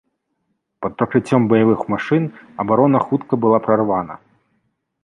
Пад прыкрыццём баявых машын абарона хутка была прарвана.